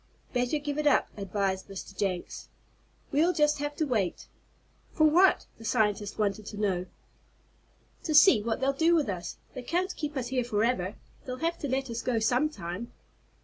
"Better give it up," advised Mr. Jenks. "We'll just have to wait." "For what?" the scientist wanted to know. "To see what they'll do with us. They can't keep us here forever. They'll have to let us go some time."